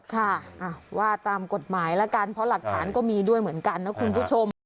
ค่ะว่าตามกฎหมายแล้วกันเพราะหลักฐานก็มีด้วยเหมือนกันนะคุณผู้ชม